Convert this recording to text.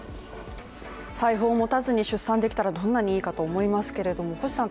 財布を持たずに出産できたらどんなにいいかと思いますけれども星さん